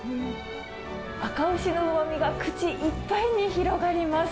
赤牛のうまみが口いっぱいに広がります。